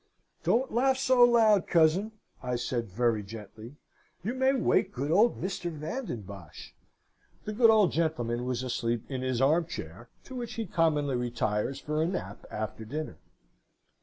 'Don't laugh so loud, cousin,' I said, very gently; 'you may wake good old Mr. Van den Bosch.' The good old gentleman was asleep in his arm chair, to which he commonly retires for a nap after dinner.